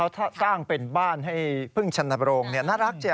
แล้วเขาสร้างเป็นบ้านให้พึ่งชนโรงนี่น่ารักจ๊ะ